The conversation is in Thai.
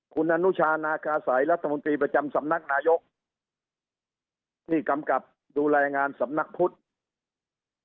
คุณอนุชานาคาสัยรัฐมนตรีประจำสำนักนายกที่กำกับดูแลงานสำนักพุทธ